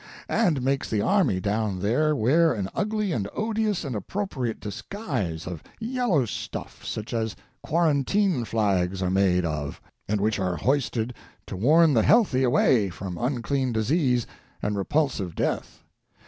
and makes the army down there wear an ugly and odious and appropriate disguise, of yellow stuff such as quarantine flags are made of, and which are hoisted to warn the healthy away from unclean disease and repulsive death.